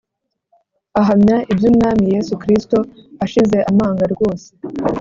Ahamya iby’Umwami Yesu Kristo ashize amanga rwose